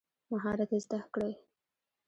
مهارت زده کړئ